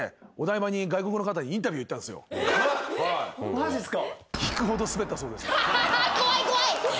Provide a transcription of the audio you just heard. マジっすか。